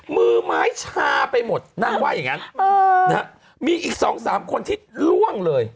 มือไม้ชาไปหมดนางว่าอย่างนั้นมีอีก๒๓คนที่ล่วงเลย